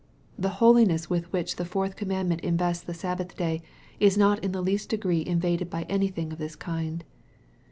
The holiness with which the fourth com mandment invests the Sabbath day, is not in the least degree invaded by anything of this kind.